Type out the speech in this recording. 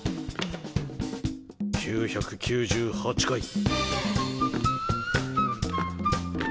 ９９８回。